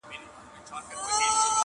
ستا موسکي موسکي نظر کي ,